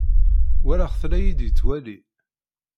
Walaɣ-t la iyi-d-yettwali.